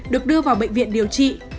được đưa vào bệnh viện điều trị